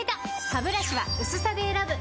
ハブラシは薄さで選ぶ！